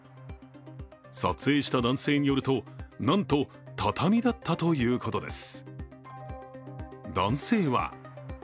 撮影した男性によるとなんと畳だったということです。